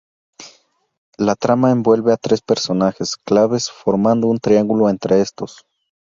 La trama envuelve a tres personajes claves formando un triangulo entre estos.